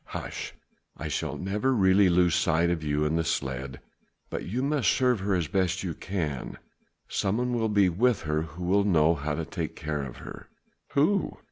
"Hush! I shall never really lose sight of you and the sledge. But you must serve her as best you can. Someone will be with her who will know how to take care of her." "Who?"